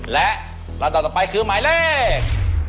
และลำดับต่อไปคือหมายเลข